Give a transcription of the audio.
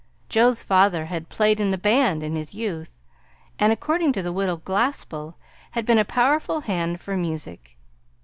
Joe's father had "played in the band" in his youth, and (according to the Widow Glaspell) had been a "powerful hand for music."